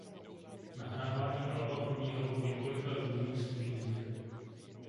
Nahrávání alba probíhalo v několika různých studiích.